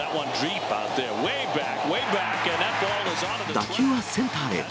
打球はセンターへ。